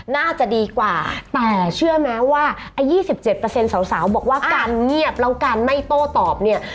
น่าจะดีกว่าแต่เชื่อมั้ยว่ายี่สิบเจ็ดเปอร์เซ็นต์สาวบอกว่าการเงียบแล้วการไม่โต้ตอบเนี่ย